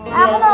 ah apa tau